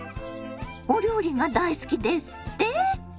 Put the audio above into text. お料理が大好きですって？